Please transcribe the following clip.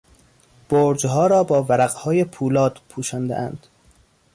برجها را با ورقهای پولاد پوشاندهاند.